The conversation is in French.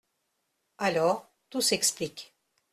Alors, tout s'explique.